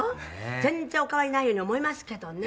全然お変わりないように思いますけどね。